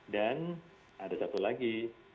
dan ada satu lagi